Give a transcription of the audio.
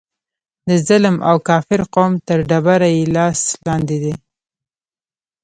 د ظلم او کافر قوم تر ډبره یې لاس لاندې دی.